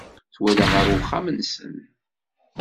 Twella ɣer uxxam-nsen.